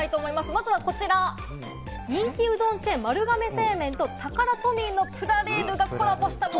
まずはこちら、人気うどんチェーン店・丸亀製麺とタカラトミーのプラレールが異色コラボ。